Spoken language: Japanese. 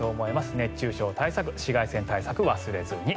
熱中症対策、紫外線対策忘れずに。